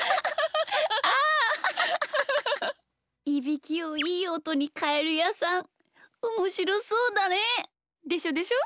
いびきをいいおとにかえるやさんおもしろそうだねえ。でしょでしょ？